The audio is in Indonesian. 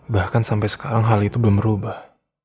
bahkan sampai sekarang hal itu belum berubah